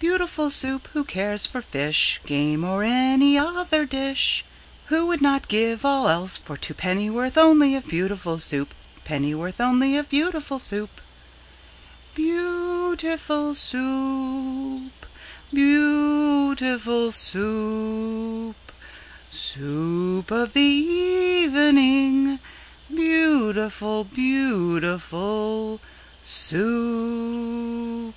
Beautiful Soup! Who cares for fish, Game, or any other dish? Who would not give all else for two Pennyworth only of Beautiful Soup? Pennyworth only of beautiful Soup? Beau ootiful Soo oop! Beau ootiful Soo oop! Soo oop of the e e evening, Beautiful, beauti FUL SOUP!